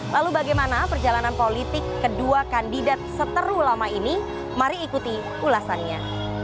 lalu bagaimana perjalanan politik kedua kandidat seteru lama ini mari ikuti ulasannya